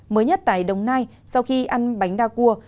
mới nhất tại đồng nai sau khi ăn bánh đa cua